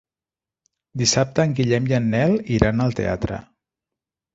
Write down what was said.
Dissabte en Guillem i en Nel iran al teatre.